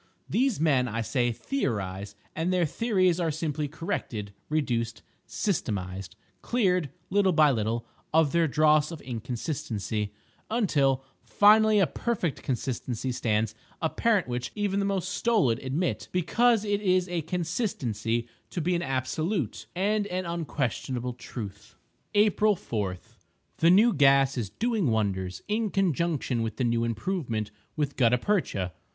These men, I say, theorize; and their theories are simply corrected, reduced, systematized—cleared, little by little, of their dross of inconsistency—until, finally, a perfect consistency stands apparent which even the most stolid admit, because it is a consistency, to be an absolute and an unquestionable truth. April 4.—The new gas is doing wonders, in conjunction with the new improvement with gutta percha.